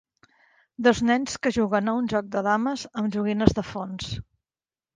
Dos nens que juguen a un joc de dames amb joguines de fons.